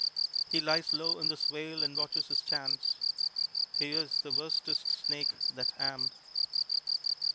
He lies low in the swale and watches his chance. "He is the worstest snake that am."